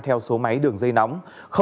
theo số máy đường dây nóng